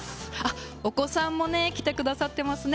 お子さんもね来てくださってますね